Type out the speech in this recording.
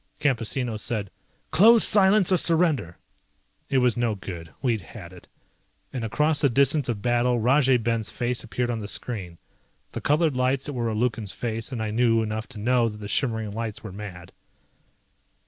Campesino said, "Close silence or surrender." It was no good. We'd had it. And across the distance of battle Rajay Ben's face appeared on the screen. The colored lights that were a Lukan's face and I knew enough to know that the shimmering lights were mad.